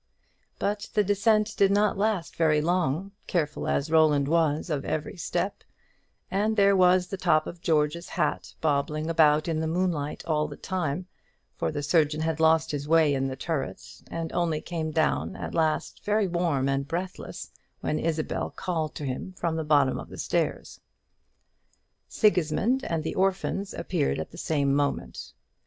But the descent did not last very long, careful as Roland was of every step; and there was the top of George's hat bobbing about in the moonlight all the time; for the surgeon had lost his way in the turret, and only came down at last very warm and breathless when Isabel called to him from the bottom of the stairs. Sigismund and the orphans appeared at the same moment.